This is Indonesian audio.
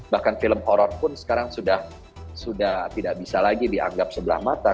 bahkan film horror pun sekarang sudah tidak bisa lagi dianggap sebelah mata